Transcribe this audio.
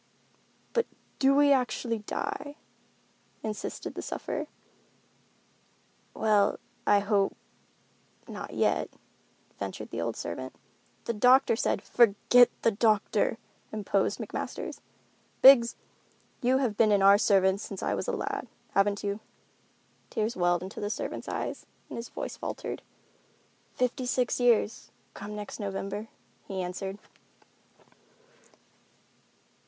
"But do we actually die?" insisted the sufferer. "Well, I hope—not yet," ventured the old servant. "The doctor said——" "Forget the doctor," interposed McMasters. "Biggs, you have been in our service since I was a lad, haven't you?" Tears welled into the servant's eyes, and his voice faltered. "Fifty six years, come next November," he answered.